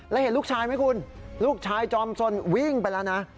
แล้วเห็นลูกชายไหมคุณลูกชายจอมสนวิ่งไปแล้วนะ